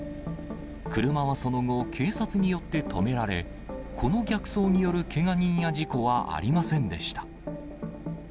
車はその後、警察によって止められ、この逆走によるけが人や事故はありませんでした。